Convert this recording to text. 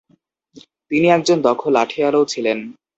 তিনি একজন দক্ষ লাঠিয়ালও ছিলেন।